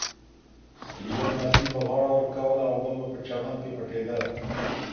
یوه لمسي به غاړه ورکوله او بل به په چمن کې پټېده.